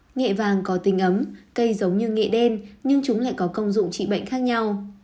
nghệ vàng có tính ấm cây giống như nghệ đen nhưng chúng lại có công dụng trị bệnh khác nhau